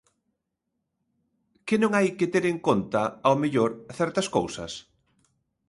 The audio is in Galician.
¿Que non hai que ter en conta, ao mellor, certas cousas?